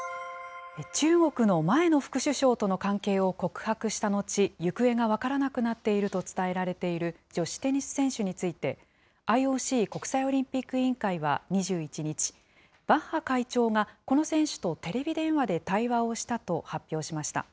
中国の前の副首相との関係を告白した後、行方が分からなくなっていると伝えられている女子テニス選手について、ＩＯＣ・国際オリンピック委員会は２１日、バッハ会長がこの選手とテレビ電話で対話をしたと発表しました。